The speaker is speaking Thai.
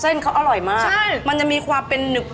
เส้นเขาอร่อยมากมันจะมีความเป็นหนึบ